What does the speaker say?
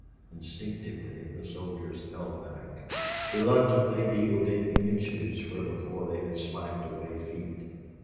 Instinctively the soldiers held back, reluctantly yielding inches where before they had slacked away feet.